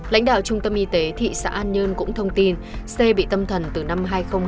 lãnh đạo trung tâm y tế thị xã an nhơn cũng thông tin xê bị tâm thần từ năm hai nghìn hai mươi hai